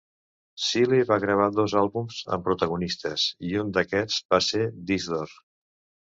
Sealey va gravar dos àlbums amb "Protagonistas", i un d"aquests va ser Disc d"or.